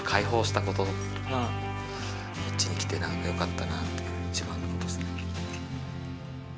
こっちに来て何かよかったなっていう一番のことですね。